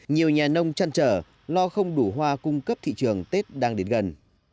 nhiều nhà nông chăn trở lo không đủ hoa cung cấp thị trường tết đang đến gần